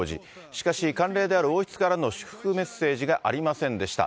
しかし、慣例である王室からの祝福メッセージがありませんでした。